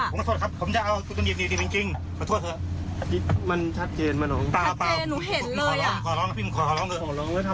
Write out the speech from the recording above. ผมขอโทษครับผมจะเอาตัวหนีบหนีบจริงจริงขอโทษเข้า